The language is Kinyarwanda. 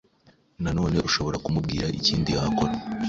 nanone ushobora kumubwira ikindi yakora